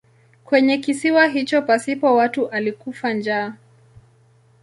Kwenye kisiwa hicho pasipo watu alikufa njaa.